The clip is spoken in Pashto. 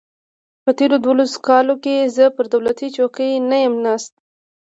په تېرو دولسو کالو کې زه پر دولتي چوکۍ نه یم ناست.